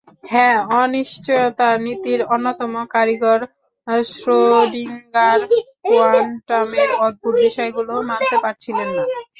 হ্যাঁ, অনিশ্চয়তা–নীতির অন্যতম কারিগর শ্রোডিংগার কোয়ান্টামের অদ্ভুত বিষয়গুলো মানতে পারছিলেন না।